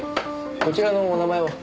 こちらのお名前は？